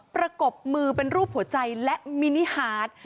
ประกบมือเป็นรูปหัวใจและมินิฮาร์ด